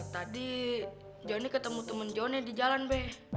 tadi jonny ketemu temen jonny di jalan be